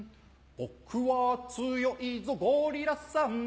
僕は強いぞゴリラさん